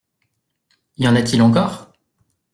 Y en a-t-il encore ?